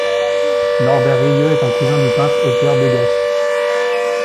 Norbert Rillieux est un cousin du peintre Edgar Degas.